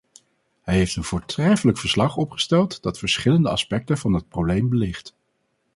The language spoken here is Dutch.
Hij heeft een voortreffelijk verslag opgesteld dat verschillende aspecten van het probleem belicht.